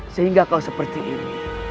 sehingga kau seperti ini